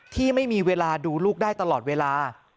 ที่ไม่มีเวลาดูลูกได้ตลอดเวลา